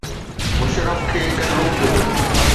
مشرف کي ڪڍڻو پيو.